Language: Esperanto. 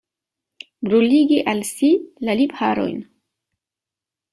Bruligi al si la lipharojn.